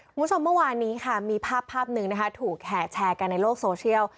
คุณผู้ชมเมื่อวานนี้ค่ะมีภาพภาพหนึ่งนะคะถูกแห่แชร์กันในโลกโซเชียล